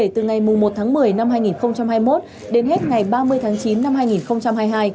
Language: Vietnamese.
từ ngày một tháng một mươi năm hai nghìn hai mươi một đến hết ngày ba mươi tháng chín năm hai nghìn hai mươi hai